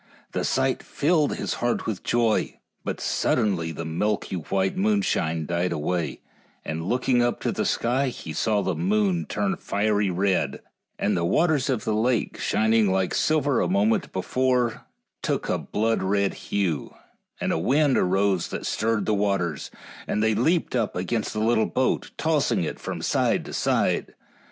The sight filled his heart with joy, but suddenly the milk white moonshine died away, and looking up to the sky he saw the moon turning fiery red, and the waters 62 FAIRY TALES of the lake, shining like silver a moment before, took a blood red hue, and a wind arose that stirred the waters, and they leaped up against the little boat, tossing it from side to side.